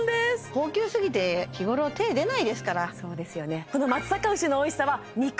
高級すぎて日頃手出ないですからそうですよね